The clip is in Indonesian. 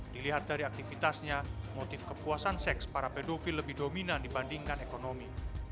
dilihat dari aktivitasnya motif kepuasan seks para pedofil lebih dominan dibandingkan ekonomi